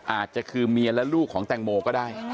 อาจจะคือเมียและลูกของแตงโมก็ได้